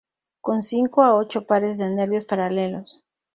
Con cinco a ocho pares de nervios paralelos.